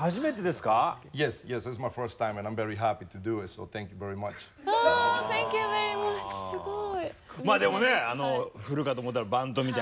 すごい。